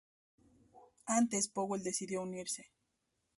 Antes Powell decidió unirse.